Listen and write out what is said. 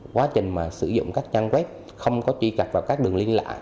quá trình mà sử dụng các trang web không có truy cập vào các đường liên lạc